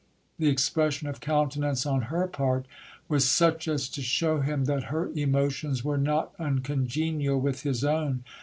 The expression of countenance on her part was such as to show him that her emotions were not uncongenial with his own.